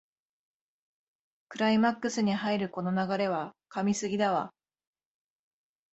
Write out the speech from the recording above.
クライマックスに入るこの流れは神すぎだわ